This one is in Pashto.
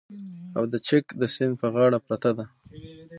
او د چک د سیند په غاړه پرته ده